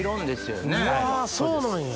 うわそうなんや。